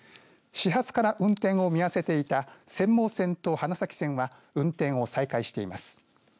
始発から運転を見合わせていた釧網線と花咲線は運転を再開しています。